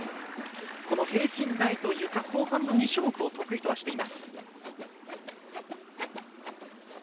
この平均台とゆか後半の２種目を得意とはしています。